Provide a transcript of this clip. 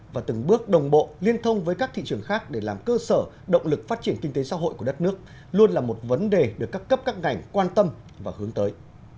và từng bước đồng bộ liên thông với các thị trường khác để làm cơ sở động lực phát triển kinh tế xã hội của đất nước luôn là một vấn đề được các cấp các ngành quan tâm và hướng tới